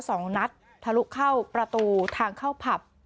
สองนัดทะลุเข้าประตูทางเข้าผับ